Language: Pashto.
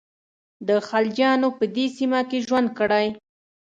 د خلجیانو په دې سیمه کې ژوند کړی.